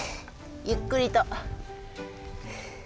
ゆっくりと。